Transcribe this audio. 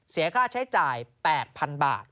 เสียค่าใช้จ่าย๘๐๐๐บาท